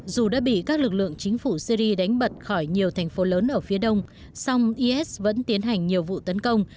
dù đã bị các lực lượng chính phủ syri đánh bận khỏi nhiều thành phố lớn ở phía đông song is vẫn tiến hành nhiều vụ tấn công